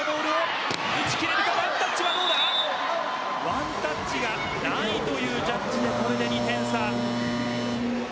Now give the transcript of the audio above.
ワンタッチはないというジャッジで、これで２点差。